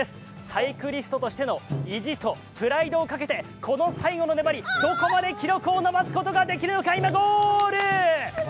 サイクリストとしての意地とプライドをかけてこの最後の粘り、どこまで記録を伸ばすことができるのか今、ゴール！